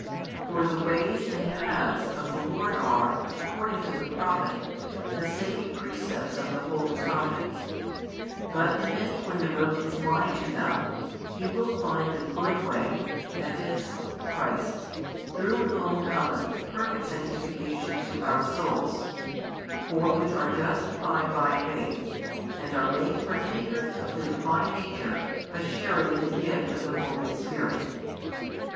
For the ways and paths of the Lord are, according to the prophet, the saving precepts of the holy prophets; but if any one devote his mind to them, he will find the Good Way, that is, Christ, through Whom cometh the perfect sanctification to our souls: for we are justified by faith, and are made partakers of the Divine nature by sharing in the gift of the Holy Spirit.